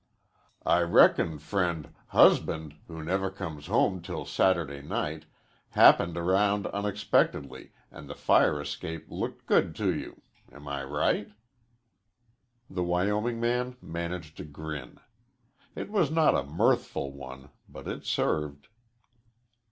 "I reckon friend husband, who never comes home till Saturday night, happened around unexpectedly and the fire escape looked good to you. Am I right?" The Wyoming man managed a grin. It was not a mirthful one, but it served.